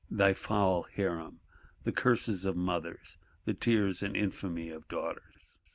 Thy foul Harem; the curses of mothers, the tears and infamy of daughters?